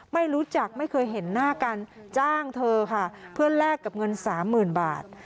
ไม่รู้จักไม่เคยเห็นหน้ากันจ้างเธอค่ะเพื่อแลกกับเงินสามหมื่นบาท